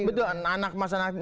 betul anak emas anak tiri